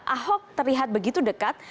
ahok terlihat begitu dekat